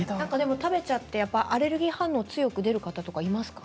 食べてしまってアレルギー反応が強く出る方はいますか？